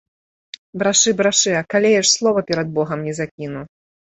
Брашы, брашы, акалееш, слова перад богам не закіну.